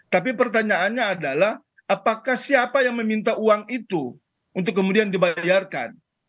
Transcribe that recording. tapi pertanyaannya adalah apakah siapa yang meminta uang itu untuk kemudian dibayarkan